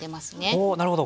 おなるほど。